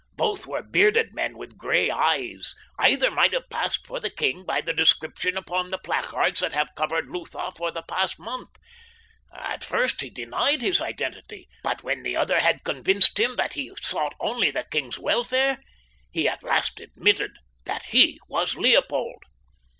Both were bearded men with gray eyes—either might have passed for the king by the description upon the placards that have covered Lutha for the past month. At first he denied his identity, but when the other had convinced him that he sought only the king's welfare he at last admitted that he was Leopold."